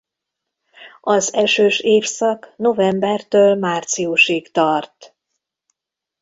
Az esős évszak novembertől márciusig tart.